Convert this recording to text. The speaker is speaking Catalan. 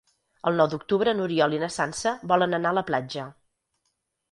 El nou d'octubre n'Oriol i na Sança volen anar a la platja.